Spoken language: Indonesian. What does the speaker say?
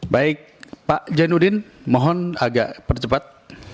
baik pak jainuddin mohon agak percepat